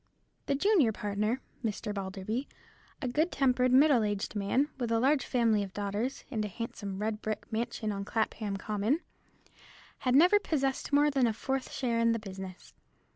The junior partner, Mr. Balderby, a good tempered, middle aged man, with a large family of daughters, and a handsome red brick mansion on Clapham Common, had never possessed more than a fourth share in the business.